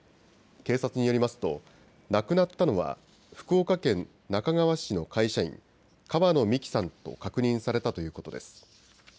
警察によりますと亡くなったのは福岡県那珂川市の会社員、川野美樹さんと確認されたということです。